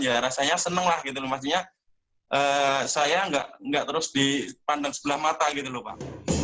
ya rasanya senang lah maksudnya saya nggak terus dipandang sebelah mata gitu loh pak